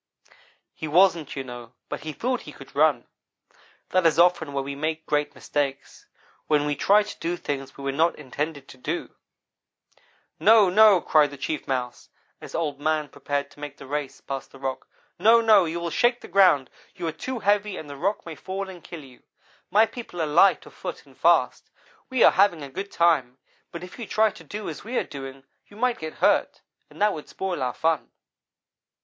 "He wasn't, you know, but he thought he could run. That is often where we make great mistakes when we try to do things we were not intended to do. "'No no!' cried the Chief Mouse, as Old man prepared to make the race past the rock. 'No! No! you will shake the ground. You are too heavy, and the rock may fall and kill you. My people are light of foot and fast. We are having a good time, but if you should try to do as we are doing you might get hurt, and that would spoil our fun.'